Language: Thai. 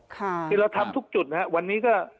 คือเราทำทุกจุดนะครับวันนี้ก็